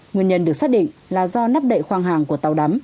nguyên nhân được xác định là do nắp đậy khoang hàng của tàu đắm